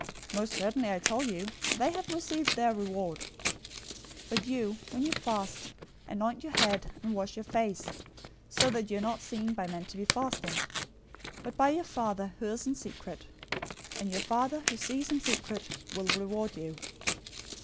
Most certainly I tell you, they have received their reward. 006:017 But you, when you fast, anoint your head, and wash your face; 006:018 so that you are not seen by men to be fasting, but by your Father who is in secret, and your Father, who sees in secret, will reward you.